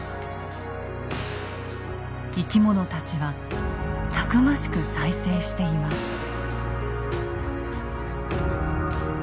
生き物たちはたくましく再生しています。